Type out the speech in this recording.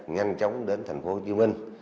nhanh chóng đến thành phố hồ chí minh